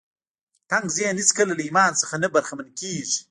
تنګ ذهن هېڅکله له ايمان څخه نه برخمن کېږي.